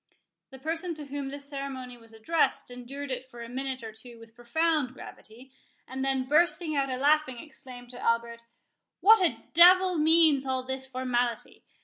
The person to whom this ceremony was addressed endured it for a minute or two with profound gravity, and then bursting out a laughing, exclaimed to Albert, "What a devil means all this formality?